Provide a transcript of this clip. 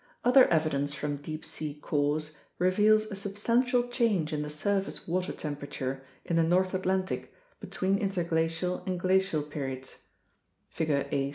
Other evidence from deep sea cores reveals a substantial change in the surface water temperature in the North Atlantic between interglacial and glacial periods (Figure A.